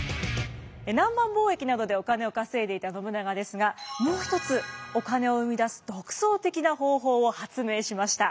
南蛮貿易などでお金を稼いでいた信長ですがもう一つお金を生み出す独創的な方法を発明しました。